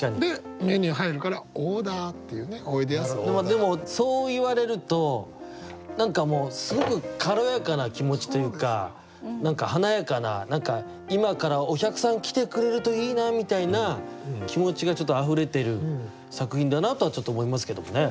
でもそう言われると何かもうすごく軽やかな気持ちというか何か華やかな今からお客さん来てくれるといいなみたいな気持ちがちょっとあふれてる作品だなとは思いますけどもね。